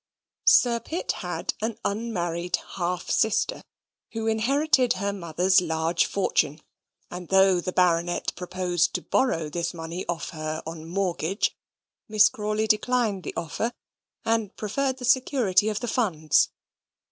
Sir Pitt had an unmarried half sister who inherited her mother's large fortune, and though the Baronet proposed to borrow this money of her on mortgage, Miss Crawley declined the offer, and preferred the security of the funds.